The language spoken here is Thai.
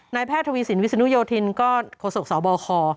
นายแพทย์ทวีสินวิสุนุโยธินก็โขสกศาลบ่อคอ